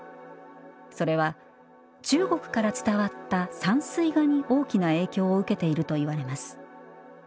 それは中国から伝わった「山水画」に大きな影響を受けているといわれます。